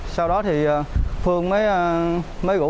sau đó thì phương mới gũ